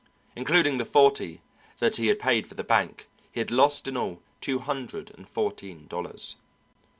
Including the forty that he had paid for the bank, he had lost in all two hundred and fourteen dollars.